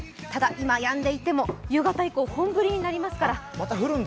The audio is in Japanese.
ただ、今やんでいても夕方以降、本降りになりますから。